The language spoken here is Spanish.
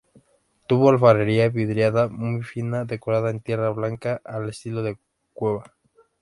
Tuvo alfarería vidriada muy fina decorada en tierra blanca, al estilo de Cuerva.